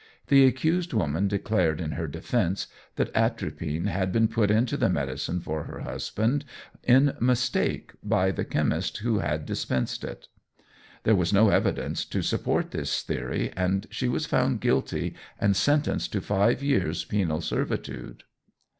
The accused woman declared in her defence, that atropine had been put into the medicine for her husband in mistake by the chemist who had dispensed it. There was no evidence to support this theory, and she was found guilty and sentenced to five years' penal servitude.